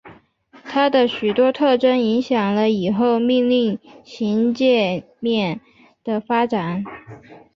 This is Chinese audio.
它的许多特征影响了以后命令行界面的发展。